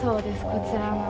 こちらの。